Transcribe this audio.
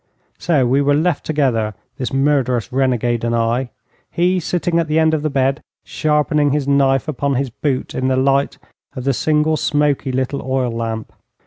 So we were left together, this murderous renegade and I he sitting at the end of the bed, sharpening his knife upon his boot in the light of the single smoky little oil lamp.